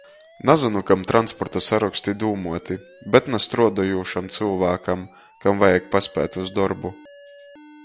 Nazynu, kam transporta saroksti dūmuoti, bet na struodojūšam cylvākam, kam vajag paspēt iz dorbu.